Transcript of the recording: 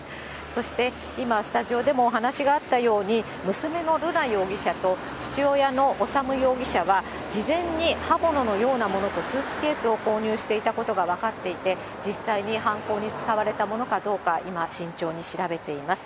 そして今、スタジオでもお話があったように、娘の瑠奈容疑者と、父親の修容疑者は、事前に刃物のようなものとスーツケースを購入していたことが分かっていて、実際に犯行に使われたものかどうか、今、慎重に調べています。